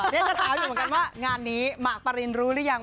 เดี๋ยวจะถามอยู่เหมือนกันว่างานนี้หมากปรินรู้หรือยัง